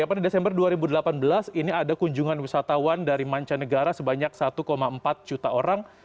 pada desember dua ribu delapan belas ini ada kunjungan wisatawan dari mancanegara sebanyak satu empat juta orang